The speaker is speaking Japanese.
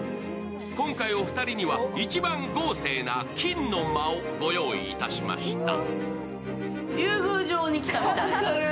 今回、お二人には一番豪勢な金の間をご用意いたしました。